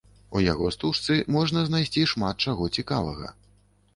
У яго стужцы можна знайсці шмат чаго цікавага.